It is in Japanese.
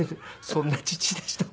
そんな父でした。